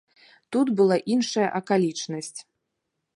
Тут была іншая акалічнасць.